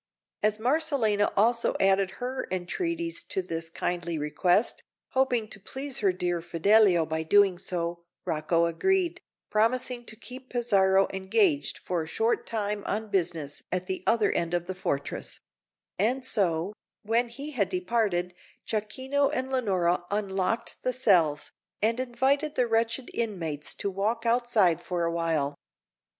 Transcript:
As Marcellina also added her entreaties to this kindly request, hoping to please her dear Fidelio by so doing, Rocco agreed, promising to keep Pizarro engaged for a short time on business at the other end of the fortress; and so, when he had departed, Jacquino and Leonora unlocked the cells, and invited the wretched inmates to walk outside for a while.